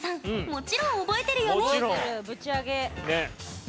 もちろん覚えてるよね？